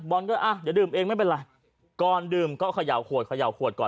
อ่ะเดี๋ยวดื่มเองไม่เป็นไรก่อนดื่มก็เขย่าขวดเขย่าขวดก่อน